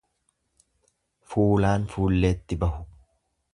Fuulaan fuulleetti bahu.